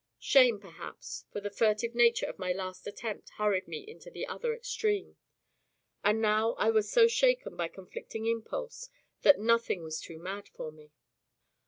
Shame, perhaps, for the furtive nature of my last attempt hurried me into the other extreme; and now I was so shaken by conflicting impulse, that nothing was too mad for me.